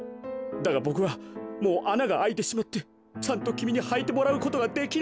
だがボクはもうあながあいてしまってちゃんときみにはいてもらうことができないんだ。